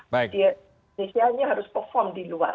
dia inisialnya harus perform di luar